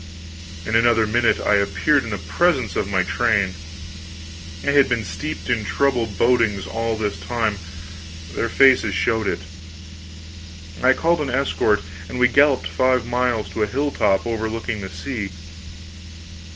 In another minute I appeared in the presence of my train. They had been steeped in troubled bodings all this time their faces showed it. I called an escort and we galloped five miles to a hilltop overlooking the sea.